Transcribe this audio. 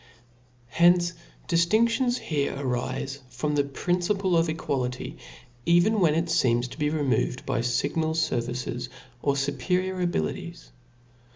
Hence difiindions here arile from the principle of equality, even when it feems to be removed by iignal fervices, or fuperior abilities.